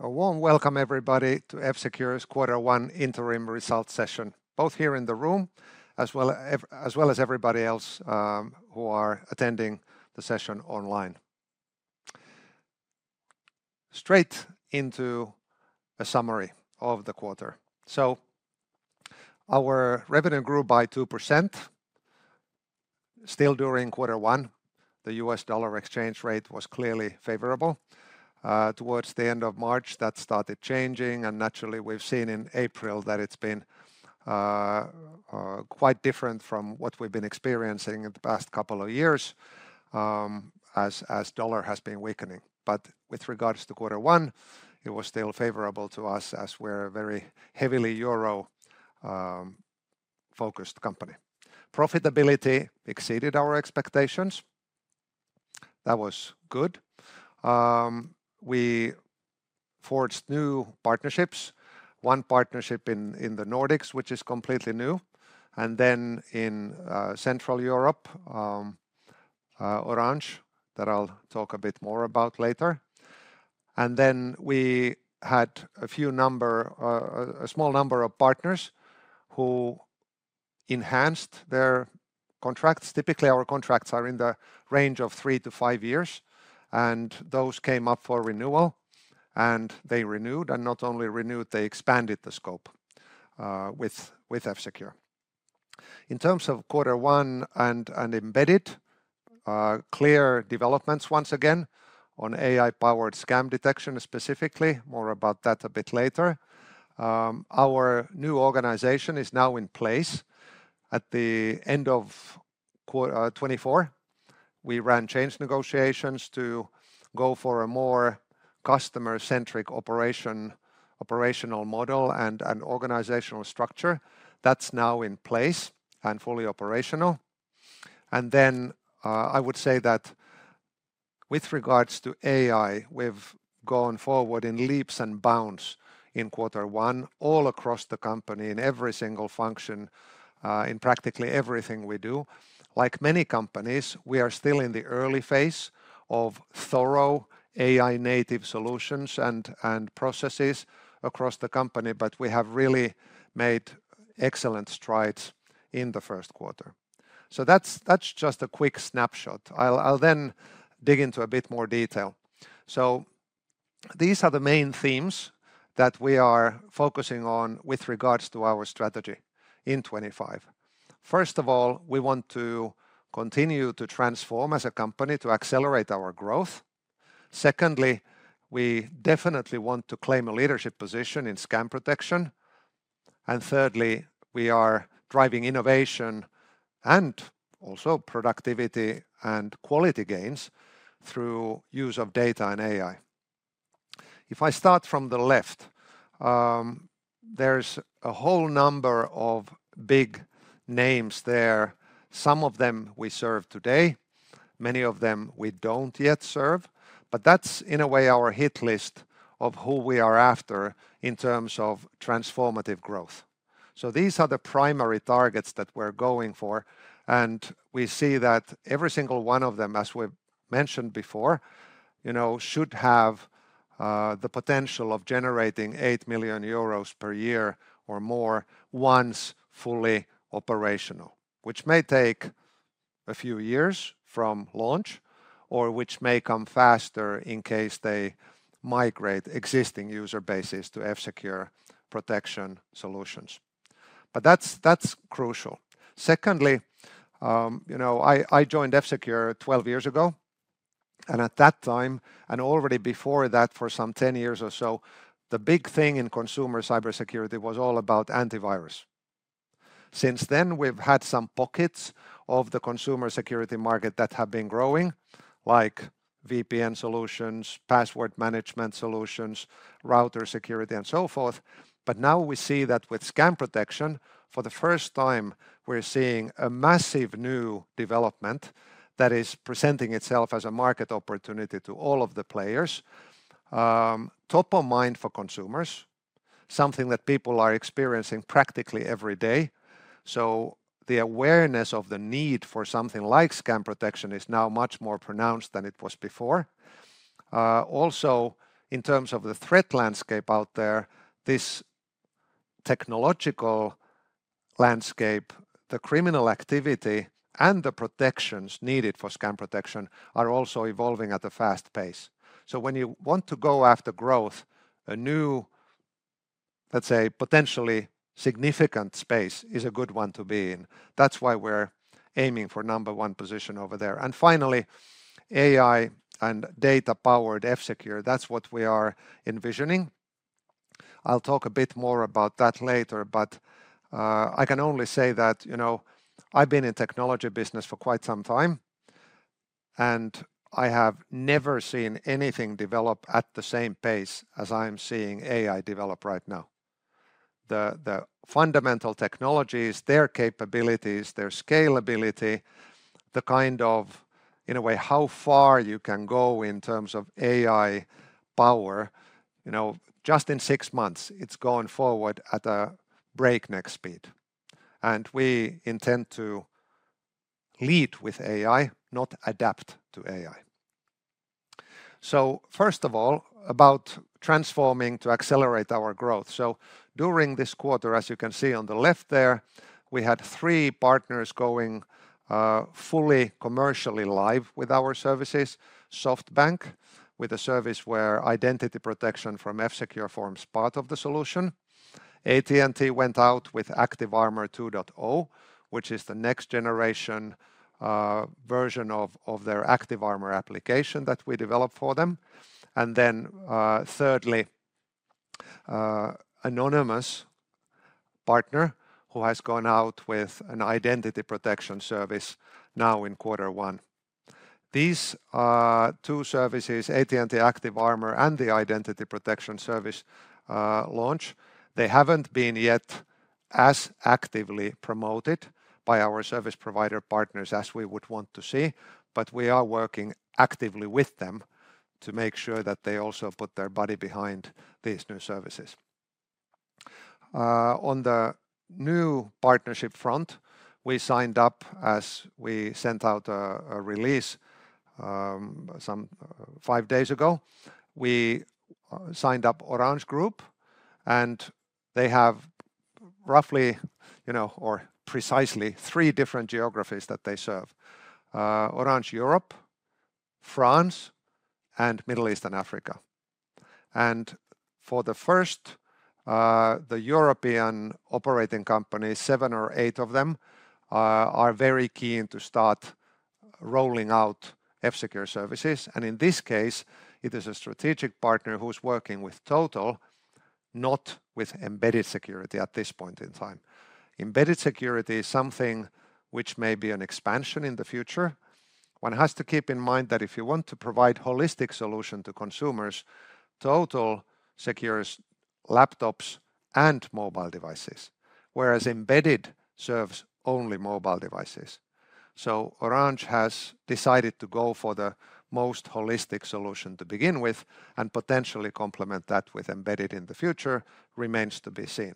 A warm welcome, everybody, to F-Secure's Quarter One Interim Results Session, both here in the room as well as everybody else who are attending the session online. Straight into a summary of the quarter. Our revenue grew by 2% still during Quarter One. The US dollar exchange rate was clearly favorable. Towards the end of March, that started changing, and naturally, we've seen in April that it's been quite different from what we've been experiencing in the past couple of years as dollar has been weakening. With regards to Quarter One, it was still favorable to us as we're a very heavily euro-focused company. Profitability exceeded our expectations. That was good. We forged new partnerships, one partnership in the Nordics, which is completely new, and then in Central Europe, Orange, that I'll talk a bit more about later. We had a small number of partners who enhanced their contracts. Typically, our contracts are in the range of three to five years, and those came up for renewal, and they renewed, and not only renewed, they expanded the scope with F-Secure. In terms of Quarter One and embedded, clear developments once again on AI-powered scam detection specifically, more about that a bit later. Our new organization is now in place. At the end of 2024, we ran change negotiations to go for a more customer-centric operational model and organizational structure. That is now in place and fully operational. I would say that with regards to AI, we have gone forward in leaps and bounds in Quarter One all across the company in every single function, in practically everything we do. Like many companies, we are still in the early phase of thorough AI-native solutions and processes across the company, but we have really made excellent strides in the first quarter. That is just a quick snapshot. I will then dig into a bit more detail. These are the main themes that we are focusing on with regards to our strategy in 2025. First of all, we want to continue to transform as a company to accelerate our growth. Secondly, we definitely want to claim a leadership position in scam protection. Thirdly, we are driving innovation and also productivity and quality gains through use of data and AI. If I start from the left, there is a whole number of big names there. Some of them we serve today. Many of them we do not yet serve. That's, in a way, our hit list of who we are after in terms of transformative growth. These are the primary targets that we're going for, and we see that every single one of them, as we mentioned before, should have the potential of generating 8 million euros per year or more once fully operational, which may take a few years from launch or which may come faster in case they migrate existing user bases to F-Secure protection solutions. That's crucial. Secondly, I joined F-Secure 12 years ago, and at that time, and already before that for some 10 years or so, the big thing in consumer cybersecurity was all about antivirus. Since then, we've had some pockets of the consumer security market that have been growing, like VPN solutions, password management solutions, router security, and so forth. Now we see that with scam protection, for the first time, we're seeing a massive new development that is presenting itself as a market opportunity to all of the players. Top of mind for consumers, something that people are experiencing practically every day. The awareness of the need for something like scam protection is now much more pronounced than it was before. Also, in terms of the threat landscape out there, this technological landscape, the criminal activity and the protections needed for scam protection are also evolving at a fast pace. When you want to go after growth, a new, let's say, potentially significant space is a good one to be in. That's why we're aiming for number one position over there. Finally, AI and data-powered F-Secure, that's what we are envisioning. I'll talk a bit more about that later, but I can only say that I've been in technology business for quite some time, and I have never seen anything develop at the same pace as I'm seeing AI develop right now. The fundamental technologies, their capabilities, their scalability, the kind of, in a way, how far you can go in terms of AI power, just in six months, it's gone forward at a breakneck speed. We intend to lead with AI, not adapt to AI. First of all, about transforming to accelerate our growth. During this quarter, as you can see on the left there, we had three partners going fully commercially live with our services. SoftBank, with a service where identity protection from F-Secure forms part of the solution. AT&T went out with ActiveArmor 2.0, which is the next generation version of their ActiveArmor application that we developed for them. Thirdly, Anonymous Partner, who has gone out with an identity protection service now in Quarter One. These two services, AT&T ActiveArmor and the identity protection service launch, they haven't been yet as actively promoted by our service provider partners as we would want to see, but we are working actively with them to make sure that they also put their body behind these new services. On the new partnership front, we signed up as we sent out a release some five days ago. We signed up Orange Group, and they have roughly, or precisely, three different geographies that they serve: Orange Europe, France, and Middle East and Africa. For the first, the European operating companies, seven or eight of them, are very keen to start rolling out F-Secure services. In this case, it is a strategic partner who's working with Total, not with embedded security at this point in time. Embedded security is something which may be an expansion in the future. One has to keep in mind that if you want to provide a holistic solution to consumers, Total secures laptops and mobile devices, whereas embedded serves only mobile devices. Orange has decided to go for the most holistic solution to begin with and potentially complement that with embedded in the future, remains to be seen.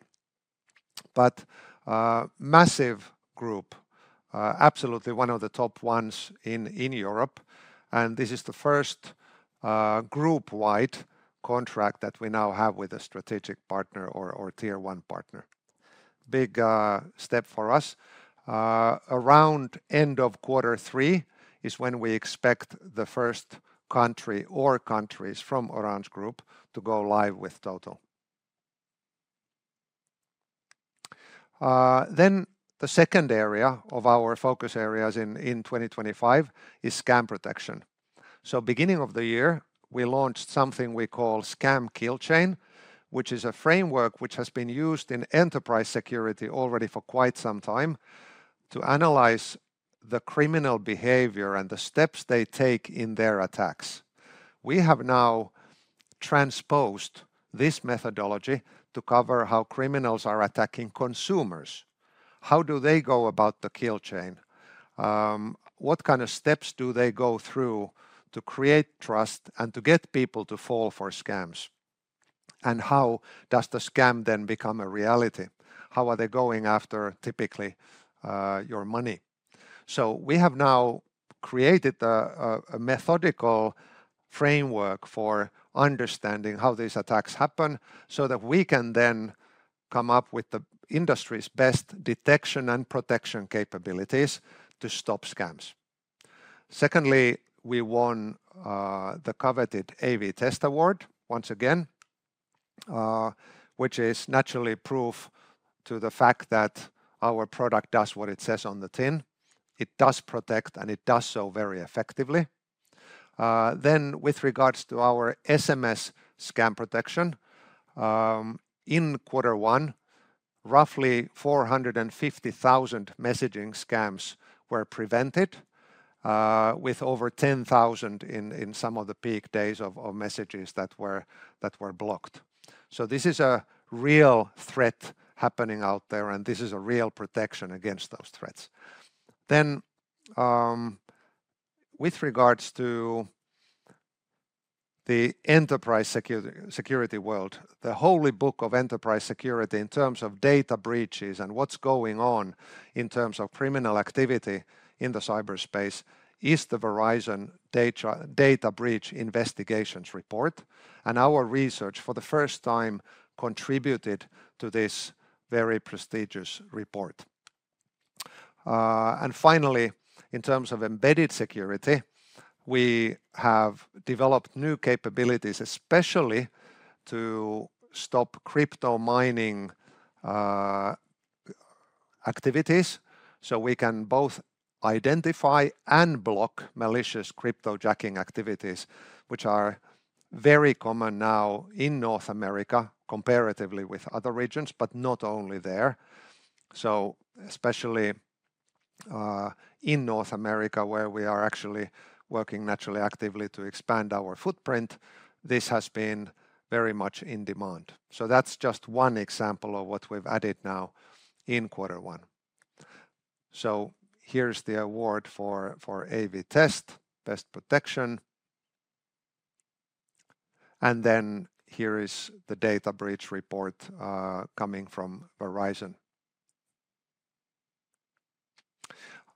Massive Group, absolutely one of the top ones in Europe, and this is the first group-wide contract that we now have with a strategic partner or tier one partner. Big step for us. Around end of quarter three is when we expect the first country or countries from Orange Group to go live with Total. The second area of our focus areas in 2025 is scam protection. Beginning of the year, we launched something we call Scam Kill Chain, which is a framework which has been used in enterprise security already for quite some time to analyze the criminal behavior and the steps they take in their attacks. We have now transposed this methodology to cover how criminals are attacking consumers. How do they go about the kill chain? What kind of steps do they go through to create trust and to get people to fall for scams? How does the scam then become a reality? How are they going after typically your money? We have now created a methodical framework for understanding how these attacks happen so that we can then come up with the industry's best detection and protection capabilities to stop scams. Secondly, we won the coveted AV-TEST Award once again, which is naturally proof to the fact that our product does what it says on the tin. It does protect, and it does so very effectively. With regards to our SMS scam protection, in Quarter One, roughly 450,000 messaging scams were prevented, with over 10,000 in some of the peak days of messages that were blocked. This is a real threat happening out there, and this is a real protection against those threats. With regards to the enterprise security world, the holy book of enterprise security in terms of data breaches and what is going on in terms of criminal activity in the cyberspace is the Verizon Data Breach Investigations Report. Our research for the first time contributed to this very prestigious report. Finally, in terms of embedded security, we have developed new capabilities, especially to stop crypto mining activities so we can both identify and block malicious crypto-jacking activities, which are very common now in North America comparatively with other regions, but not only there. Especially in North America, where we are actually working naturally actively to expand our footprint, this has been very much in demand. That is just one example of what we have added now in Quarter One. Here is the award for AV-TEST, Best Protection. Here is the Data Breach Report coming from Verizon.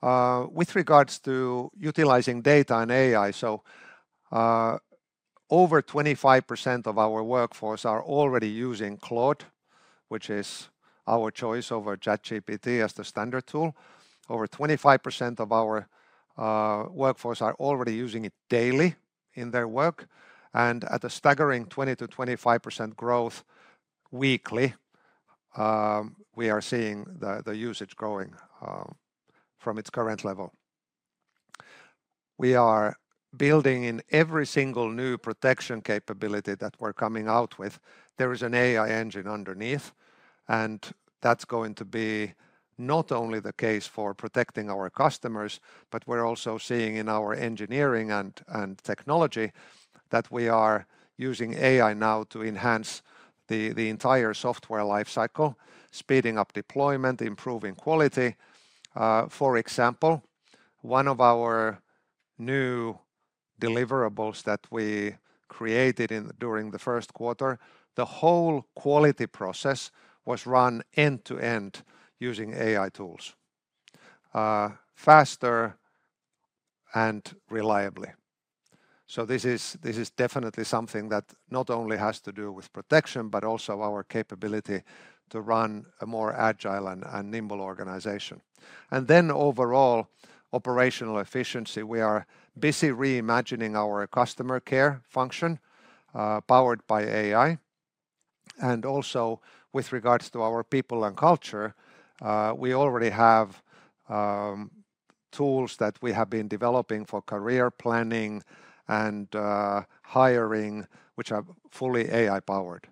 With regards to utilizing data and AI, over 25% of our workforce are already using Claude, which is our choice over ChatGPT as the standard tool. Over 25% of our workforce are already using it daily in their work. At a staggering 20-25% growth weekly, we are seeing the usage growing from its current level. We are building in every single new protection capability that we are coming out with. There is an AI engine underneath, and that is going to be not only the case for protecting our customers, but we are also seeing in our engineering and technology that we are using AI now to enhance the entire software lifecycle, speeding up deployment, improving quality. For example, one of our new deliverables that we created during the first quarter, the whole quality process was run end-to-end using AI tools, faster and reliably. This is definitely something that not only has to do with protection, but also our capability to run a more agile and nimble organization. Overall operational efficiency, we are busy reimagining our customer care function powered by AI. Also with regards to our people and culture, we already have tools that we have been developing for career planning and hiring, which are fully AI-powered.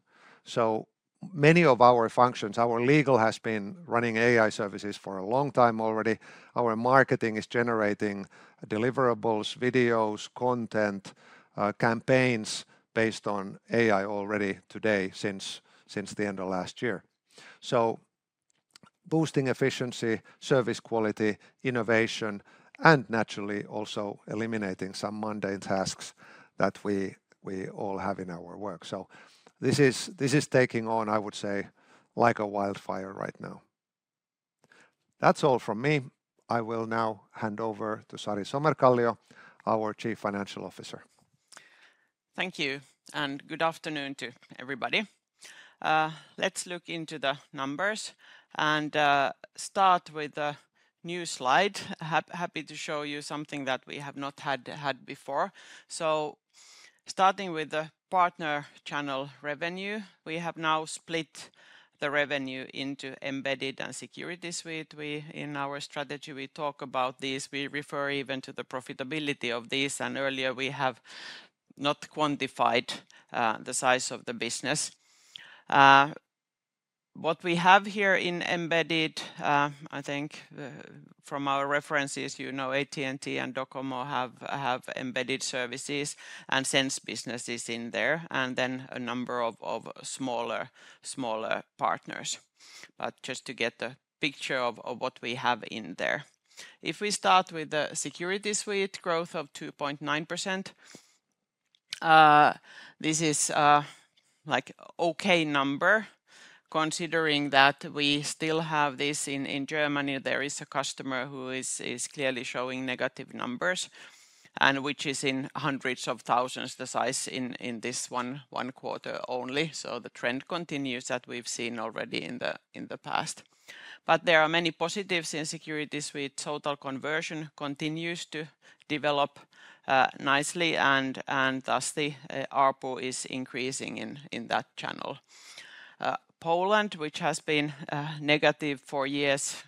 Many of our functions, our legal has been running AI services for a long time already. Our marketing is generating deliverables, videos, content, campaigns based on AI already today since the end of last year. Boosting efficiency, service quality, innovation, and naturally also eliminating some mundane tasks that we all have in our work. This is taking on, I would say, like a wildfire right now. That's all from me. I will now hand over to Sari Somerkallio, our Chief Financial Officer. Thank you. Good afternoon to everybody. Let's look into the numbers and start with the new slide. Happy to show you something that we have not had before. Starting with the partner channel revenue, we have now split the revenue into embedded and security. In our strategy, we talk about these. We refer even to the profitability of these. Earlier, we have not quantified the size of the business. What we have here in embedded, I think from our references, you know AT&T and Docomo have embedded services and sense businesses in there, and then a number of smaller partners. Just to get a picture of what we have in there. If we start with the security suite, growth of 2.9%, this is like an okay number considering that we still have this in Germany. There is a customer who is clearly showing negative numbers and which is in hundreds of thousands the size in this one quarter only. The trend continues that we've seen already in the past. There are many positives in security suite. Total conversion continues to develop nicely, and thus the ARPU is increasing in that channel. Poland, which has been negative for years,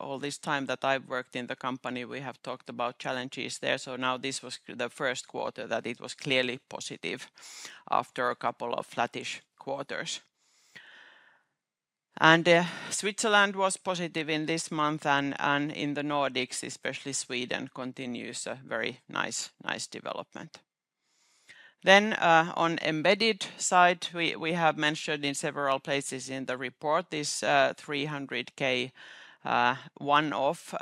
all this time that I've worked in the company, we have talked about challenges there. This was the first quarter that it was clearly positive after a couple of flattish quarters. Switzerland was positive in this month, and in the Nordics, especially Sweden, continues a very nice development. On the embedded side, we have mentioned in several places in the report this 300,000 one-off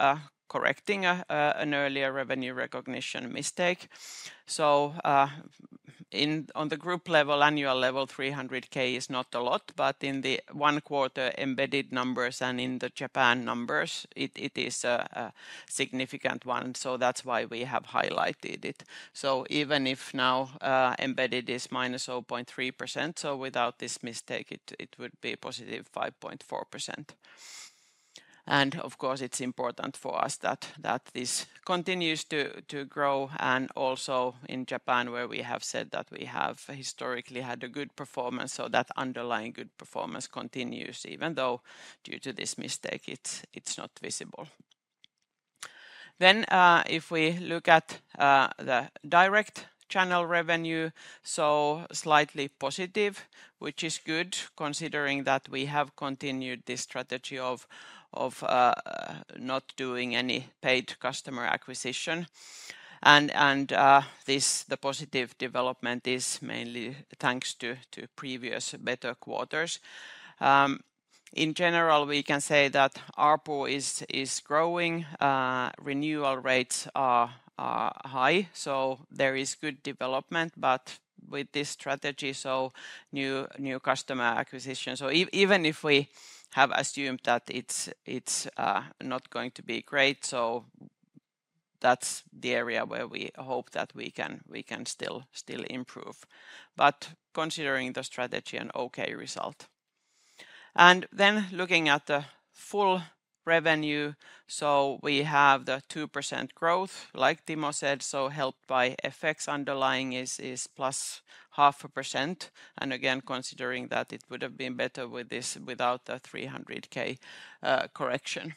correcting an earlier revenue recognition mistake. On the group level, annual level, 300,000 is not a lot, but in the one quarter embedded numbers and in the Japan numbers, it is a significant one. That is why we have highlighted it. Even if now embedded is minus 0.3%, without this mistake, it would be positive 5.4%. Of course, it is important for us that this continues to grow. Also in Japan, where we have said that we have historically had a good performance, that underlying good performance continues, even though due to this mistake, it is not visible. If we look at the direct channel revenue, it is slightly positive, which is good considering that we have continued this strategy of not doing any paid customer acquisition. The positive development is mainly thanks to previous better quarters. In general, we can say that ARPU is growing. Renewal rates are high, so there is good development, but with this strategy, new customer acquisition, even if we have assumed that it is not going to be great, that is the area where we hope that we can still improve. Considering the strategy and the result is okay. Looking at the full revenue, we have the 2% growth, like Timo said, helped by FX. Underlying is plus half a percent. Considering that it would have been better without the 300,000 correction.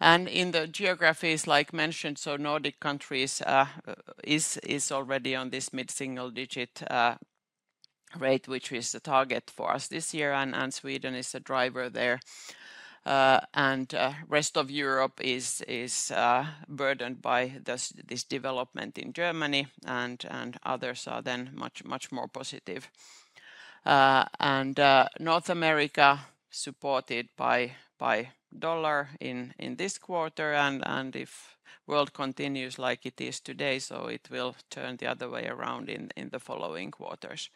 In the geographies, like mentioned, Nordic countries is already on this mid-single digit rate, which is the target for us this year. Sweden is a driver there. Rest of Europe is burdened by this development in Germany, and others are then much more positive. North America supported by dollar in this quarter. If the world continues like it is today, it will turn the other way around in the following quarters.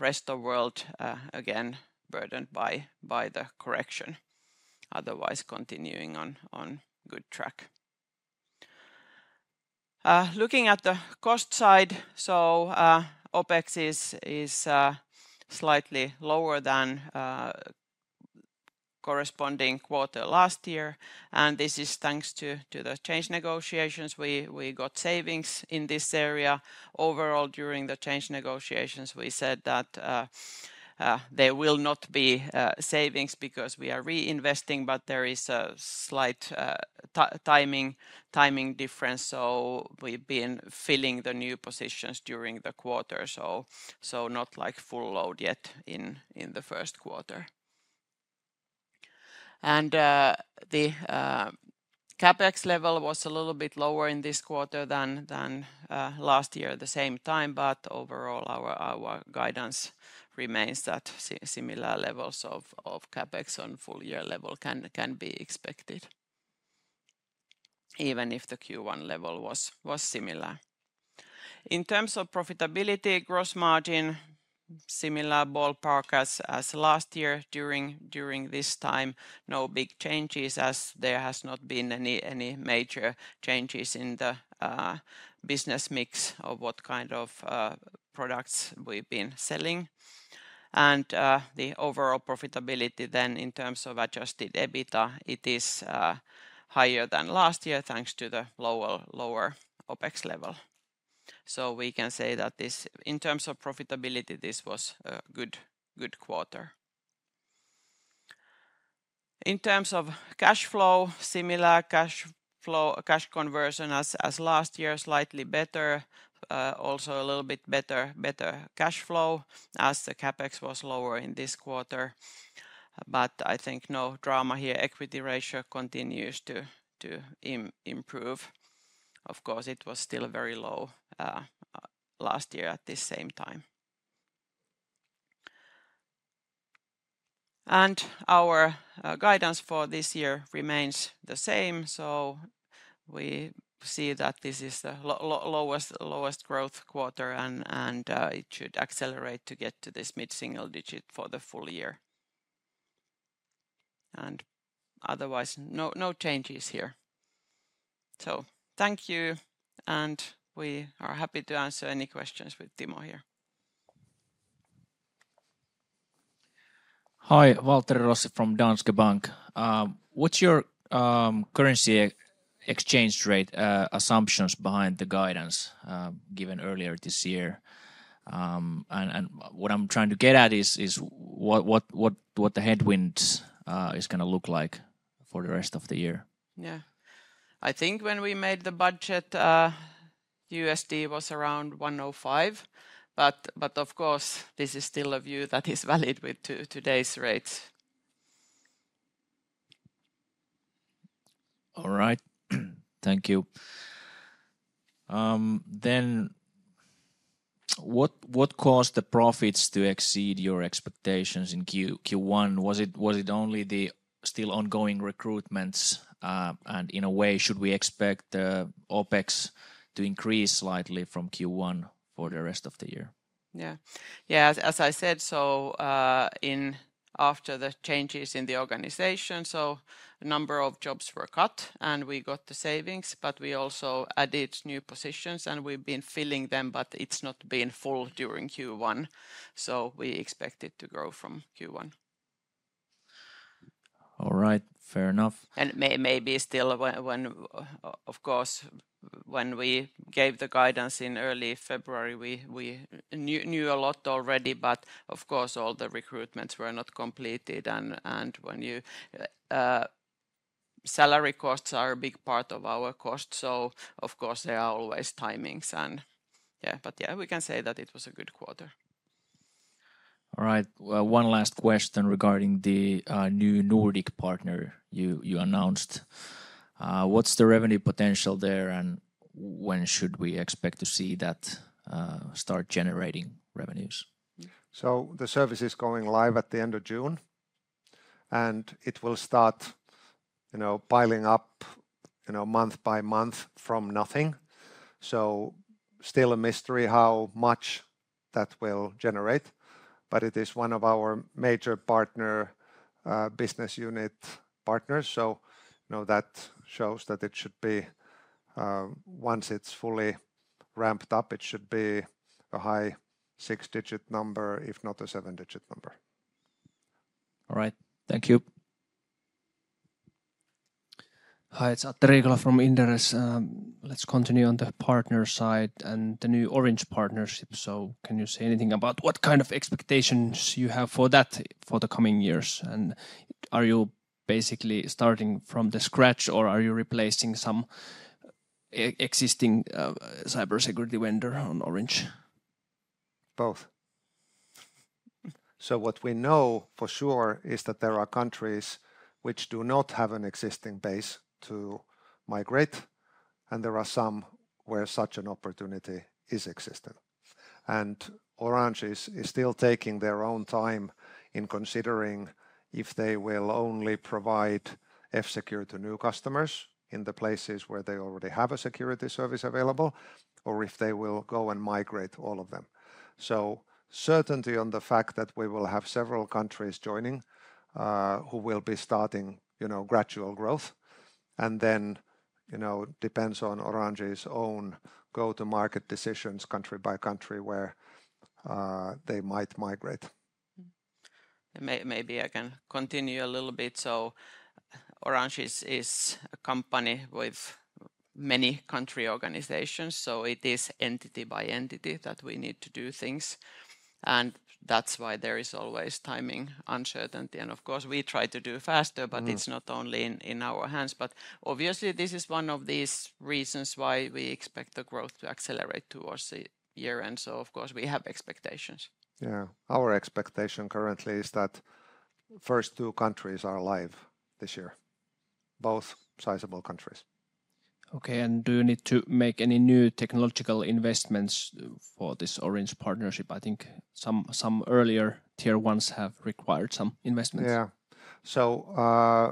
Rest of the world, again, burdened by the correction, otherwise continuing on good track. Looking at the cost side, OpEx is slightly lower than corresponding quarter last year. This is thanks to the change negotiations. We got savings in this area. Overall, during the change negotiations, we said that there will not be savings because we are reinvesting, but there is a slight timing difference. We have been filling the new positions during the quarter, so not like full load yet in the first quarter. The CAPEX level was a little bit lower in this quarter than last year at the same time, but overall, our guidance remains that similar levels of CapEx on full year level can be expected, even if the Q1 level was similar. In terms of profitability, gross margin, similar ballpark as last year during this time. No big changes as there has not been any major changes in the business mix of what kind of products we have been selling. The overall profitability then in terms of adjusted EBITDA, it is higher than last year thanks to the lower OPEX level. We can say that in terms of profitability, this was a good quarter. In terms of cash flow, similar cash conversion as last year, slightly better, also a little bit better cash flow as the CAPEX was lower in this quarter. I think no drama here. Equity ratio continues to improve. Of course, it was still very low last year at the same time. Our guidance for this year remains the same. We see that this is the lowest growth quarter, and it should accelerate to get to this mid-single digit for the full year. Otherwise, no changes here. Thank you, and we are happy to answer any questions with Timo here. Hi, Waltteri Rossi from Danske Bank. What's your currency exchange rate assumptions behind the guidance given earlier this year? What I'm trying to get at is what the headwinds are going to look like for the rest of the year. Yeah, I think when we made the budget, USD was around $1.05. Of course, this is still a view that is valid with today's rates. All right, thank you. What caused the profits to exceed your expectations in Q1? Was it only the still ongoing recruitments? In a way, should we expect the OPEX to increase slightly from Q1 for the rest of the year? Yeah, as I said, after the changes in the organization, a number of jobs were cut and we got the savings, but we also added new positions and we've been filling them, but it's not been full during Q1. We expect it to grow from Q1. All right, fair enough. Maybe still, of course, when we gave the guidance in early February, we knew a lot already, but of course, all the recruitments were not completed. When your salary costs are a big part of our cost, there are always timings. Yeah, but yeah, we can say that it was a good quarter. All right, one last question regarding the new Nordic partner you announced. What's the revenue potential there and when should we expect to see that start generating revenues? The service is going live at the end of June, and it will start piling up month by month from nothing. Still a mystery how much that will generate, but it is one of our major business unit partners. That shows that it should be, once it's fully ramped up, it should be a high six-digit number, if not a seven-digit number. All right, thank you. Hi, it's Atte Riikola from Inderes. Let's continue on the partner side and the new Orange partnership. Can you say anything about what kind of expectations you have for that for the coming years? Are you basically starting from scratch or are you replacing some existing cybersecurity vendor on Orange? Both. What we know for sure is that there are countries which do not have an existing base to migrate, and there are some where such an opportunity is existing. Orange is still taking their own time in considering if they will only provide F-Secure to new customers in the places where they already have a security service available, or if they will go and migrate all of them. Certainty on the fact that we will have several countries joining who will be starting gradual growth. It depends on Orange's own go-to-market decisions country by country where they might migrate. Maybe I can continue a little bit. Orange is a company with many country organizations, so it is entity by entity that we need to do things. That is why there is always timing uncertainty. Of course, we try to do faster, but it is not only in our hands. Obviously, this is one of these reasons why we expect the growth to accelerate towards the year. Of course, we have expectations. Yeah, our expectation currently is that first two countries are live this year, both sizable countries. Okay, and do you need to make any new technological investments for this Orange partnership? I think some earlier tier ones have required some investments. Yeah,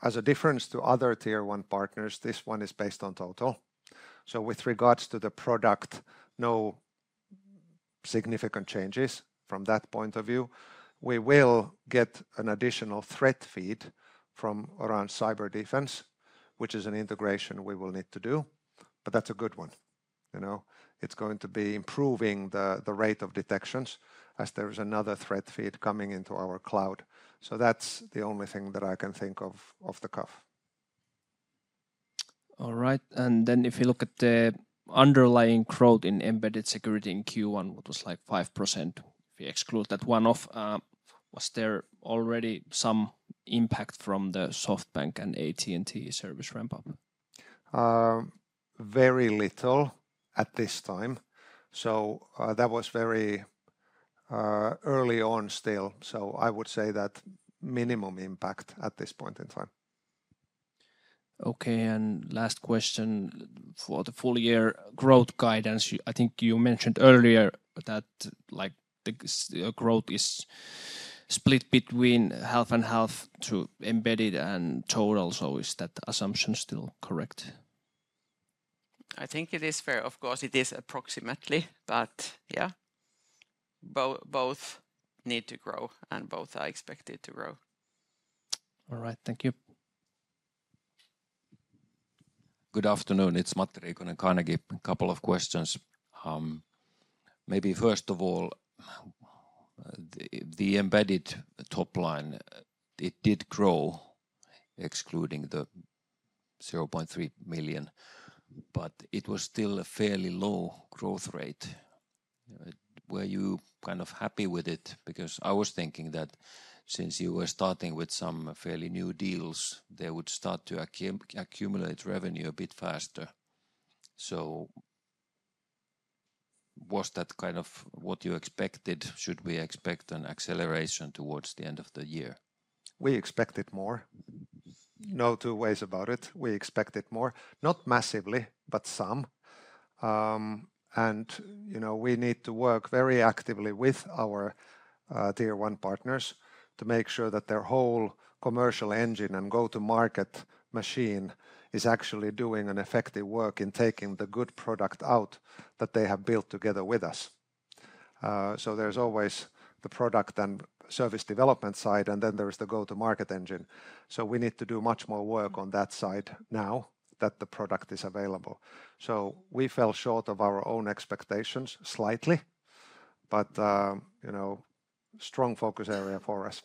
as a difference to other tier one partners, this one is based on Total. With regards to the product, no significant changes from that point of view. We will get an additional threat feed from around cyber defense, which is an integration we will need to do, but that's a good one. It's going to be improving the rate of detections as there is another threat feed coming into our cloud. That's the only thing that I can think of off the cuff. All right, and then if you look at the underlying growth in embedded security in Q1, what was like 5% if you exclude that one-off, was there already some impact from the SoftBank and AT&T service ramp-up? Very little at this time. That was very early on still. I would say that minimum impact at this point in time. Okay, and last question for the full year growth guidance. I think you mentioned earlier that the growth is split between health and health to embedded and total. Is that assumption still correct? I think it is fair. Of course, it is approximately, but yeah, both need to grow and both are expected to grow. All right, thank you. Good afternoon, it's Matteri Hintikka, and I'm going to give a couple of questions. Maybe first of all, the embedded top line, it did grow excluding the 0.3 million, but it was still a fairly low growth rate. Were you kind of happy with it? Because I was thinking that since you were starting with some fairly new deals, they would start to accumulate revenue a bit faster. Was that kind of what you expected? Should we expect an acceleration towards the end of the year? We expected more. No two ways about it. We expected more, not massively, but some. We need to work very actively with our tier one partners to make sure that their whole commercial engine and go-to-market machine is actually doing an effective work in taking the good product out that they have built together with us. There is always the product and service development side, and then there is the go-to-market engine. We need to do much more work on that side now that the product is available. We fell short of our own expectations slightly, but strong focus area for us.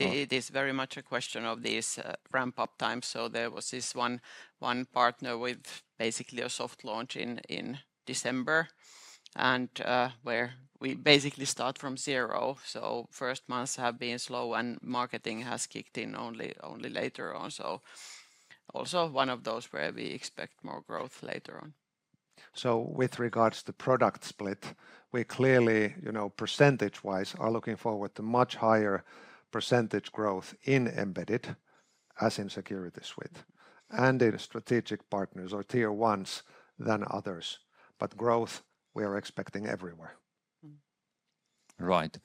It is very much a question of this ramp-up time. There was this one partner with basically a soft launch in December, and where we basically start from zero. First months have been slow and marketing has kicked in only later on. Also one of those where we expect more growth later on. With regards to the product split, we clearly, percentage-wise, are looking forward to much higher % growth in embedded as in security suite and in strategic partners or tier ones than others. Growth, we are expecting everywhere. Right.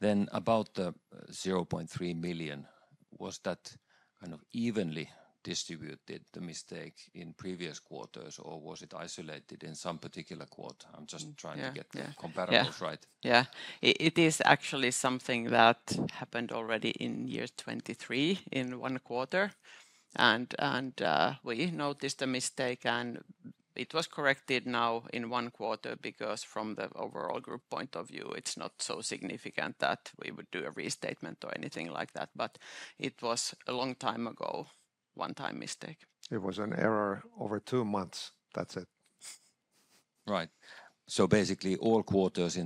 Then about the 0.3 million, was that kind of evenly distributed, the mistake in previous quarters, or was it isolated in some particular quarter? I'm just trying to get the comparables right. Yeah, it is actually something that happened already in year 2023 in one quarter. And we noticed a mistake, and it was corrected now in one quarter because from the overall group point of view, it's not so significant that we would do a restatement or anything like that. But it was a long time ago, one-time mistake. It was an error over two months. That's it. Right. So basically all quarters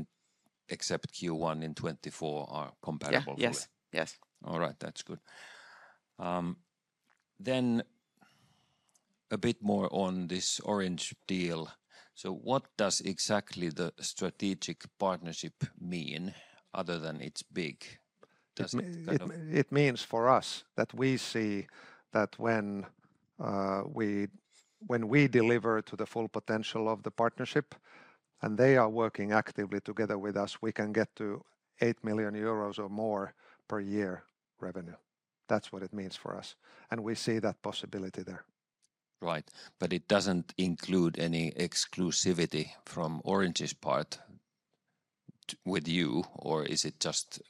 except Q1 in 2024 are comparable. Yes, yes. All right, that's good. Then a bit more on this Orange deal. What does exactly the strategic partnership mean other than it's big? It means for us that we see that when we deliver to the full potential of the partnership and they are working actively together with us, we can get to 8 million euros or more per year revenue. That's what it means for us. We see that possibility there. Right, but it doesn't include any exclusivity from Orange's part with you, or is it just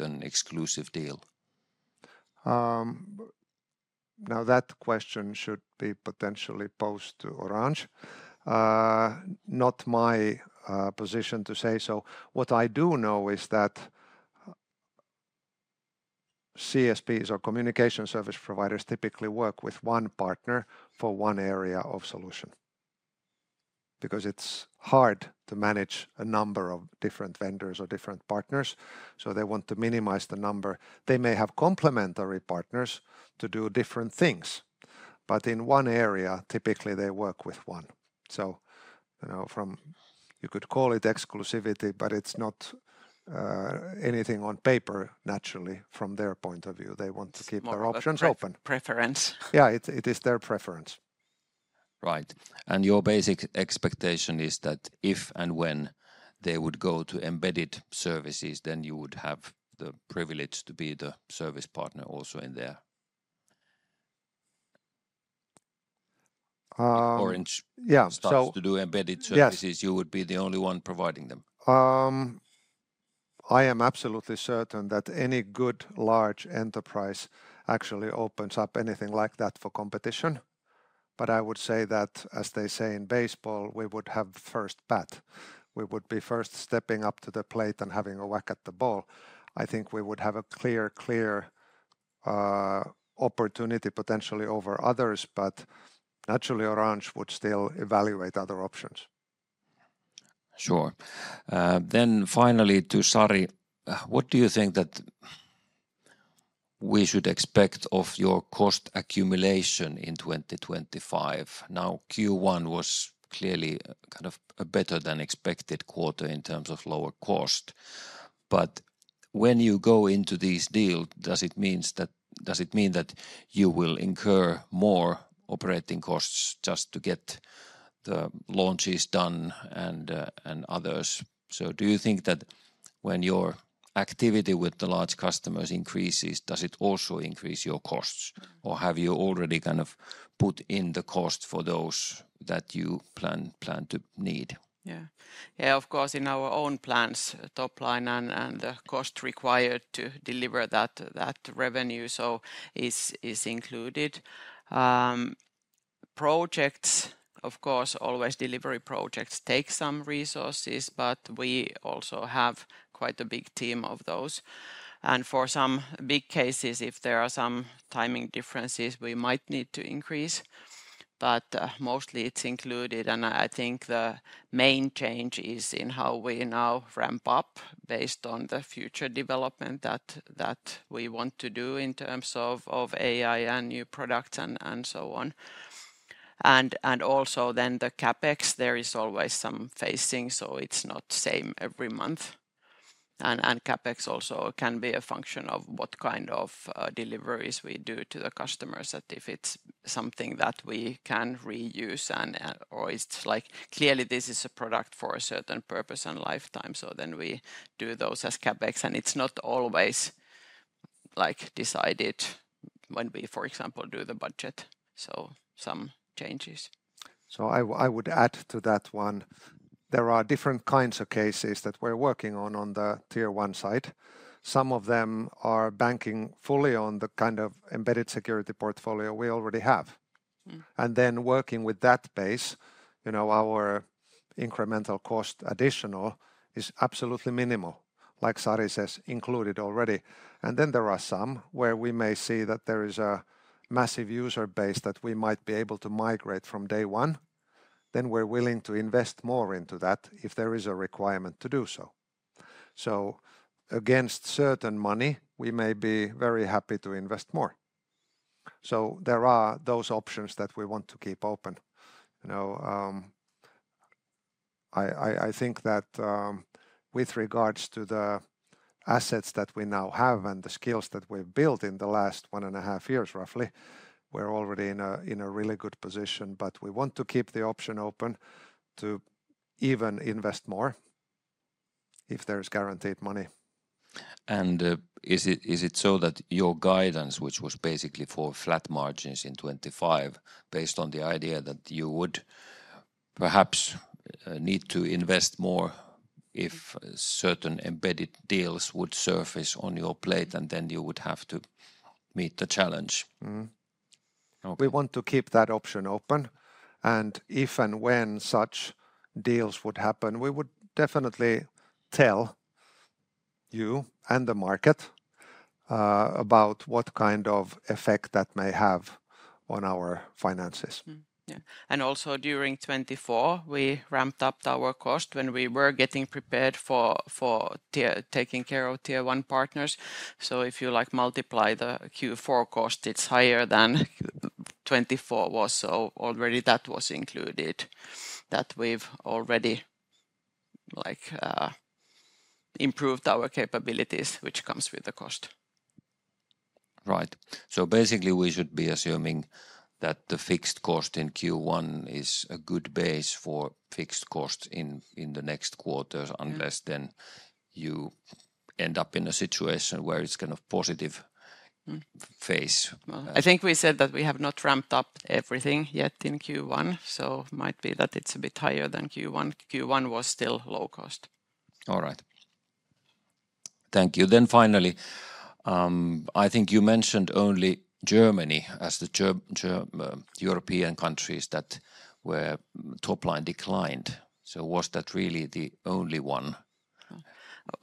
an exclusive deal? That question should be potentially posed to Orange. Not my position to say so. What I do know is that CSPs or communication service providers typically work with one partner for one area of solution because it's hard to manage a number of different vendors or different partners. They want to minimize the number. They may have complementary partners to do different things, but in one area, typically they work with one. You could call it exclusivity, but it's not anything on paper, naturally, from their point of view. They want to keep their options open. It's their preference. Yeah, it is their preference. Right. Your basic expectation is that if and when they would go to embedded services, then you would have the privilege to be the service partner also in there. If Orange starts to do embedded services, you would be the only one providing them. I am absolutely certain that any good large enterprise actually opens up anything like that for competition. I would say that, as they say in baseball, we would have first bat. We would be first stepping up to the plate and having a whack at the ball. I think we would have a clear, clear opportunity potentially over others, but naturally, Orange would still evaluate other options. Sure. Finally, to Sari, what do you think that we should expect of your cost accumulation in 2025? Now Q1 was clearly kind of a better than expected quarter in terms of lower cost. When you go into these deals, does it mean that you will incur more operating costs just to get the launches done and others? Do you think that when your activity with the large customers increases, does it also increase your costs? Or have you already kind of put in the cost for those that you plan to need? Yeah, of course, in our own plans, top line and the cost required to deliver that revenue is included. Projects, of course, always delivery projects take some resources, but we also have quite a big team of those. For some big cases, if there are some timing differences, we might need to increase. Mostly it's included. I think the main change is in how we now ramp up based on the future development that we want to do in terms of AI and new products and so on. Also, the CapEx, there is always some phasing, so it's not the same every month. CapEx also can be a function of what kind of deliveries we do to the customers, that if it's something that we can reuse or it's clearly a product for a certain purpose and lifetime, then we do those as CapEx. It's not always decided when we, for example, do the budget. Some changes. I would add to that one, there are different kinds of cases that we're working on on the tier one side. Some of them are banking fully on the kind of embedded security portfolio we already have. Working with that base, our incremental cost additional is absolutely minimal, like Sari says, included already. There are some where we may see that there is a massive user base that we might be able to migrate from day one. We are willing to invest more into that if there is a requirement to do so. Against certain money, we may be very happy to invest more. There are those options that we want to keep open. I think that with regards to the assets that we now have and the skills that we have built in the last one and a half years, roughly, we are already in a really good position, but we want to keep the option open to even invest more if there is guaranteed money. Is it so that your guidance, which was basically for flat margins in 2025, is based on the idea that you would perhaps need to invest more if certain embedded deals would surface on your plate, and then you would have to meet the challenge? We want to keep that option open. If and when such deals would happen, we would definitely tell you and the market about what kind of effect that may have on our finances. Also, during 2024, we ramped up our cost when we were getting prepared for taking care of tier one partners. If you multiply the Q4 cost, it is higher than 2024 was. Already that was included, that we have already improved our capabilities, which comes with the cost. Right. Basically, we should be assuming that the fixed cost in Q1 is a good base for fixed costs in the next quarters unless you end up in a situation where it's kind of positive phase. I think we said that we have not ramped up everything yet in Q1. It might be that it's a bit higher than Q1. Q1 was still low cost. All right. Thank you. Finally, I think you mentioned only Germany as the European country where top line declined. Was that really the only one?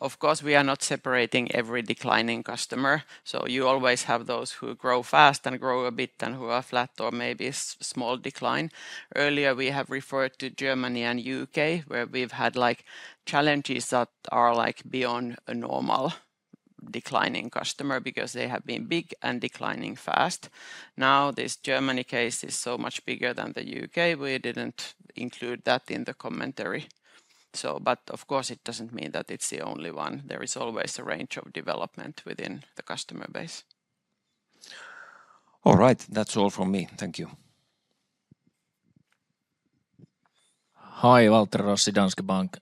Of course, we are not separating every declining customer. You always have those who grow fast and grow a bit and who are flat or maybe small decline. Earlier we have referred to Germany and the U.K. where we've had challenges that are beyond a normal declining customer because they have been big and declining fast. Now this Germany case is so much bigger than the U.K., we didn't include that in the commentary. Of course, it doesn't mean that it's the only one. There is always a range of development within the customer base. All right, that's all from me. Thank you. Hi, Valteri Rossi, Danske Bank.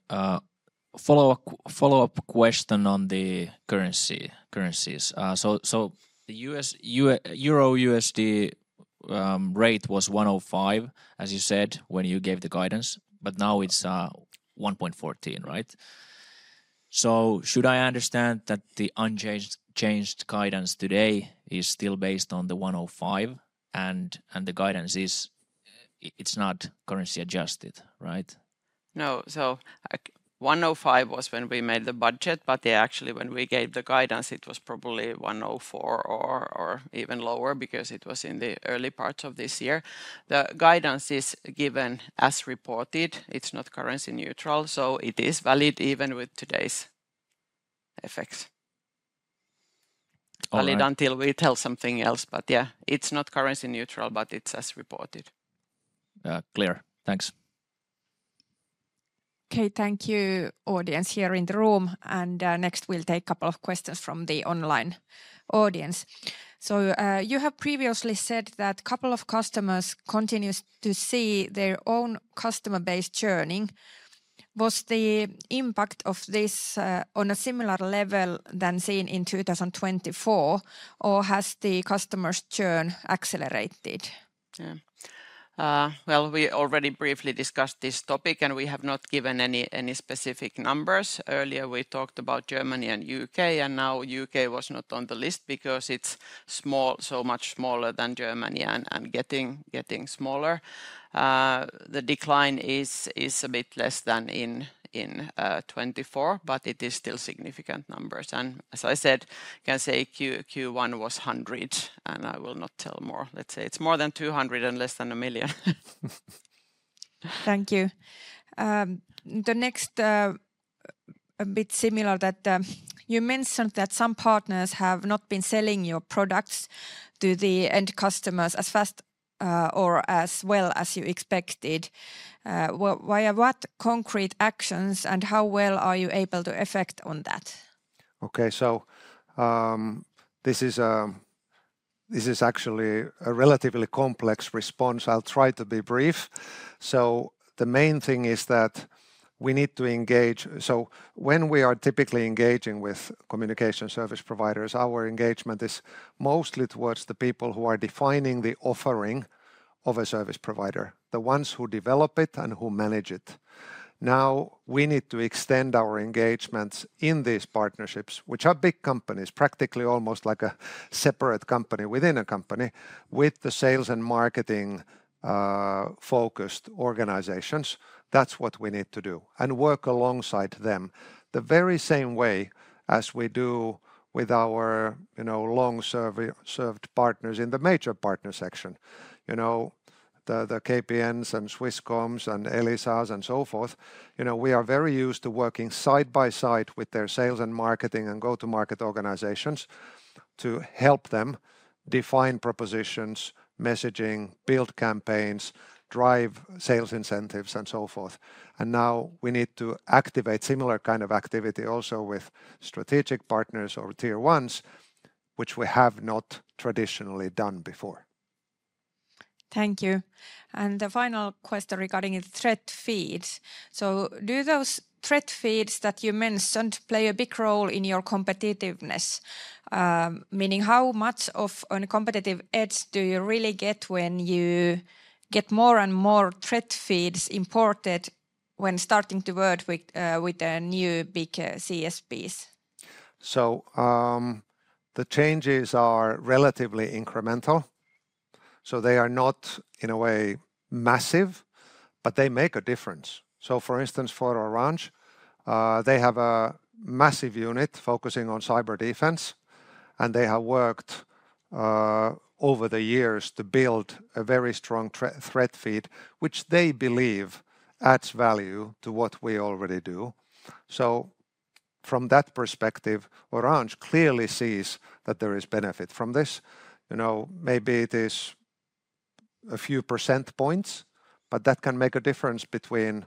Follow-up question on the currencies. The euro USD rate was 1.05, as you said when you gave the guidance, but now it's 1.14, right? Should I understand that the unchanged guidance today is still based on the 1.05 and the guidance is, it's not currency adjusted, right? No, 105 was when we made the budget, but actually when we gave the guidance, it was probably 104 or even lower because it was in the early parts of this year. The guidance is given as reported. It is not currency neutral, so it is valid even with today's effects. Valid until we tell something else, but yeah, it is not currency neutral, but it is as reported. Clear. Thanks. Okay, thank you, audience here in the room. Next we will take a couple of questions from the online audience. You have previously said that a couple of customers continues to see their own customer base churning. Was the impact of this on a similar level than seen in 2024, or has the customer's churn accelerated? We already briefly discussed this topic and we have not given any specific numbers. Earlier we talked about Germany and the U.K., and now the U.K. was not on the list because it is small, so much smaller than Germany and getting smaller. The decline is a bit less than in 2024, but it is still significant numbers. As I said, I can say Q1 was 100, and I will not tell more. Let's say it is more than 200 and less than a million. Thank you. The next bit, similar that you mentioned, that some partners have not been selling your products to the end customers as fast or as well as you expected. What concrete actions and how well are you able to affect on that? Okay, this is actually a relatively complex response. I will try to be brief. The main thing is that we need to engage. When we are typically engaging with communication service providers, our engagement is mostly towards the people who are defining the offering of a service provider, the ones who develop it and who manage it. Now we need to extend our engagements in these partnerships, which are big companies, practically almost like a separate company within a company with the sales and marketing focused organizations. That's what we need to do and work alongside them the very same way as we do with our long-served partners in the major partner section. The KPNs and Swisscoms and Elisa's and so forth, we are very used to working side by side with their sales and marketing and go-to-market organizations to help them define propositions, messaging, build campaigns, drive sales incentives and so forth. We need to activate similar kind of activity also with strategic partners or tier ones, which we have not traditionally done before. Thank you. The final question regarding the threat feeds. Do those threat feeds that you mentioned play a big role in your competitiveness? Meaning how much of a competitive edge do you really get when you get more and more threat feeds imported when starting to work with the new big CSPs? The changes are relatively incremental. They are not in a way massive, but they make a difference. For instance, for Orange, they have a massive unit focusing on cyber defense, and they have worked over the years to build a very strong threat feed, which they believe adds value to what we already do. From that perspective, Orange clearly sees that there is benefit from this. Maybe it is a few percentage points, but that can make a difference between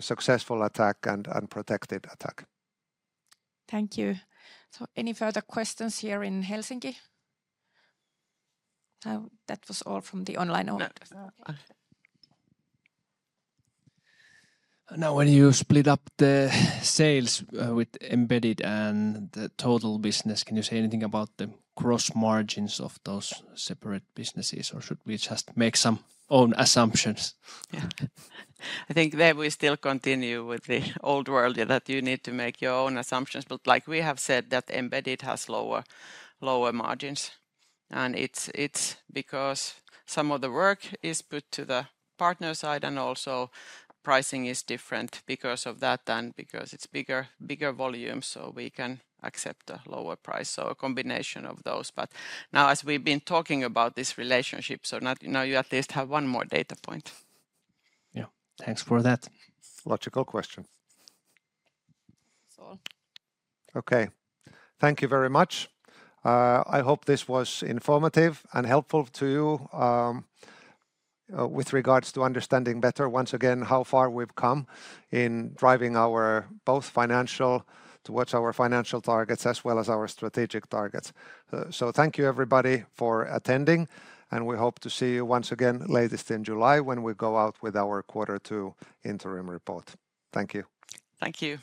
successful attack and unprotected attack. Thank you. Any further questions here in Helsinki? That was all from the online audience. Now when you split up the sales with embedded and the Total business, can you say anything about the gross margins of those separate businesses, or should we just make some own assumptions? I think we still continue with the old world that you need to make your own assumptions, but like we have said, embedded has lower margins. It is because some of the work is put to the partner side and also pricing is different because of that and because it is bigger volume, so we can accept a lower price. A combination of those. Now as we've been talking about this relationship, you at least have one more data point. Yeah, thanks for that logical question. Okay, thank you very much. I hope this was informative and helpful to you with regards to understanding better once again how far we've come in driving both towards our financial targets as well as our strategic targets. Thank you everybody for attending, and we hope to see you once again latest in July when we go out with our quarter two interim report. Thank you. Thank you.